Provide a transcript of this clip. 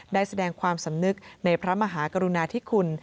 ได้แสดงความสำนึกในพระมหากรุณาธิคุณ